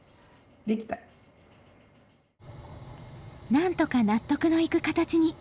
なんとか納得のいく形に。